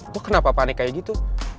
kok kenapa panik kayak gitu